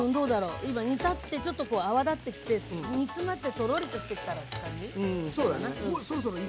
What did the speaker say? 今煮立ってちょっと泡立ってきて煮詰まってとろりとしてきたらって感じ。